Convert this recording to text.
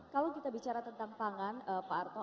kalau kita bicara tentang pangan pak arto